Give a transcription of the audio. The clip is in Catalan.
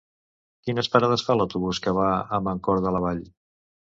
Quines parades fa l'autobús que va a Mancor de la Vall?